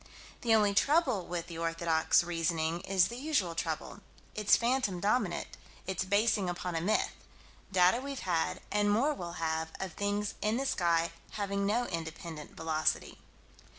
The only trouble with the orthodox reasoning is the usual trouble its phantom dominant its basing upon a myth data we've had, and more we'll have, of things in the sky having no independent velocity.